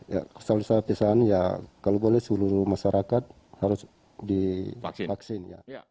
ya kalau saya pesan ya kalau boleh seluruh masyarakat harus divaksin ya